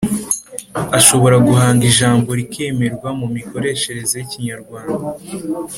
ashobora guhanga ijambo rikemerwa mu mikoreshereze y’ikinyarwanda,